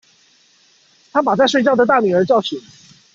她把在睡覺的大女兒叫醒